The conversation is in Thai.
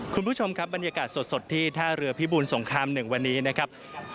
คุณผู้ชมครับบรรยากาศสดที่ท่าเรือพิบูรสงคราม๑วันนี้นะครับ